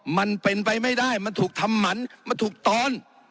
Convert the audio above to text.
มันเป็นไปไม่ได้มันถูกทำหมันมันถูกตอน